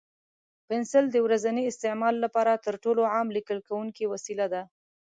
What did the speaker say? پنسل د ورځني استعمال لپاره تر ټولو عام لیکل کوونکی وسیله ده.